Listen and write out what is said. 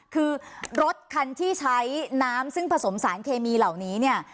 คือรถคันที่ใช้น้ำซึ่งผสมสารเคมีเหล่านี้เนี่ย